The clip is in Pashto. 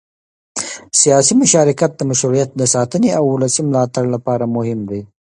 سیاسي مشارکت د مشروعیت د ساتنې او ولسي ملاتړ لپاره مهم دی